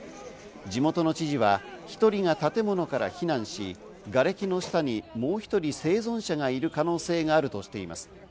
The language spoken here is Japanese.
地元の知事は１人が建物から避難し、がれきの下に、もう１人生存者がいる可能性があるとしています。